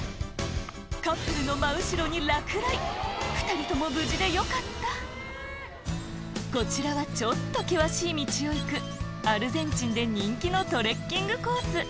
カップルの真後ろに落雷２人とも無事でよかったこちらはちょっと険しい道を行くアルゼンチンで人気のトレッキングコース